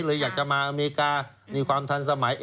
เลยอยากจะมาอเมริกามีความทันสมัย